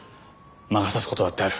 「魔が差す事だってある」